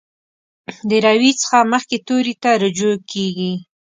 د روي څخه مخکې توري ته رجوع کیږي.